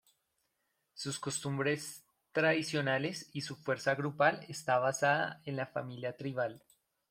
Sus costumbres tradicionales, y su fuerza grupal está basada en la familia tribal.